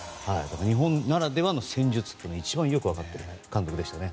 日本ならではの戦術をよく分かってる監督でしたね。